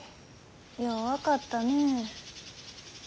よう分かったね。